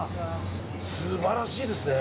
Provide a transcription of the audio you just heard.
素晴らしいですね。